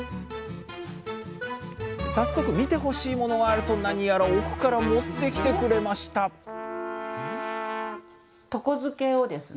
早速見てほしいものがあると何やら奥から持って来てくれました「床漬け」をですね。